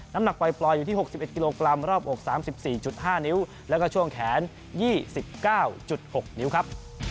น้ำหนักปล่อยอยู่ที่๖๑กิโลกรัมรอบอก๓๔๕นิ้วแล้วก็ช่วงแขน๒๙๖นิ้วครับ